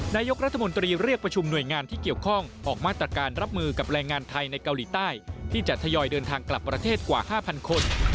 นายกรัฐมนตรีเรียกประชุมหน่วยงานที่เกี่ยวข้องออกมาตรการรับมือกับแรงงานไทยในเกาหลีใต้ที่จะทยอยเดินทางกลับประเทศกว่า๕๐๐คน